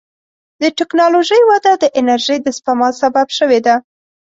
د ټکنالوجۍ وده د انرژۍ د سپما سبب شوې ده.